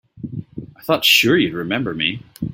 I thought sure you'd remember me.